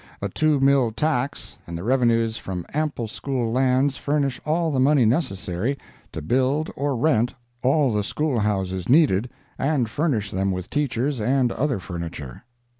A two mill tax and the revenues from ample school lands furnish all the money necessary to build or rent all the school houses needed, and furnish them with teachers and other furniture.